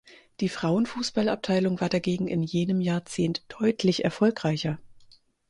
Die Frauenfußballabteilung war dagegen in jenem Jahrzehnt deutlich erfolgreicher.